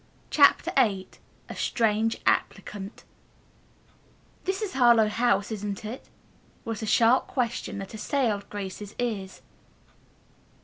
CHAPTER VIII A STRANGE APPLICANT "This is Harlowe House, isn't it?" was the sharp question that assailed Grace's ears.